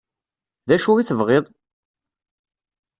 D acu i tebɣiḍ?